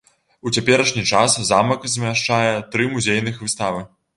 У цяперашні час замак змяшчае тры музейных выставы.